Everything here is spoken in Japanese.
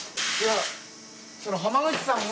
浜口さんが。